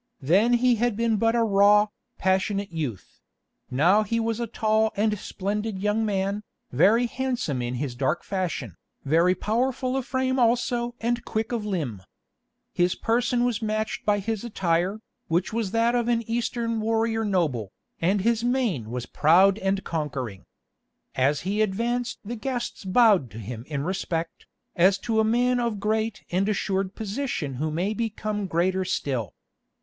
Then he had been but a raw, passionate youth; now he was a tall and splendid young man, very handsome in his dark fashion, very powerful of frame also and quick of limb. His person was matched by his attire, which was that of an Eastern warrior noble, and his mien was proud and conquering. As he advanced the guests bowed to him in respect, as to a man of great and assured position who may become greater still.